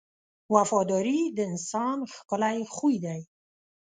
• وفاداري د انسان ښکلی خوی دی.